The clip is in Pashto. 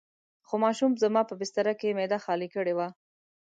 خو ماشوم زما په بستره کې معده خالي کړې وه.